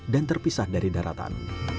dan terpisah dari daratan